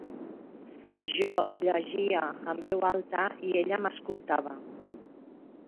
Jo llegia en veu alta i ella m'escoltava.